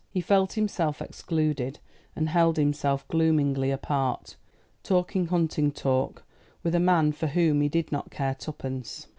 He felt himself excluded, and held himself gloomingly apart, talking hunting talk with a man for whom he did not care twopence.